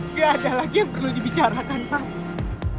tidak ada lagi yang perlu dibicarakan pak